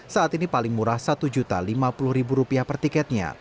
saat ini paling murah seharga rp satu lima juta per tiket